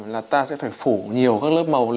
là ta sẽ phải phủ